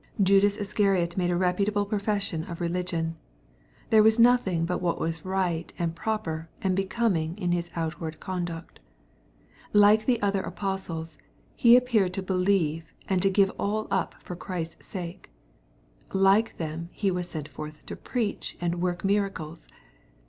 Judas Iscariot made a reputable profession of religion. • There was nothing but what was right, and proper, and becoming in his outward conduct. Like the other apos* ties, he appeared to believe and to give up aU for Christ's sake. Like them he was sent forth to preach and work miracles.